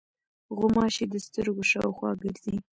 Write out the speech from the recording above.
غوماشې د سترګو شاوخوا ګرځي.